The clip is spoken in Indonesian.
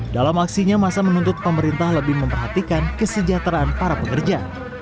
dalam aksinya masa menuntut pemerintah lebih memperhatikan kesejahteraan para pekerja